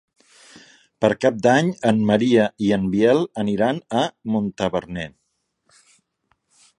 Per Cap d'Any en Maria i en Biel aniran a Montaverner.